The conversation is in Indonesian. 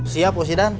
siap bos tidan